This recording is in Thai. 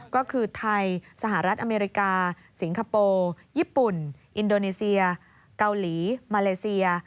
ก็คือไทยสหรัฐอเมริกาสิงคโปร์ญี่ปุ่นอินโดนีเซียเกาหลีมาเลเซีย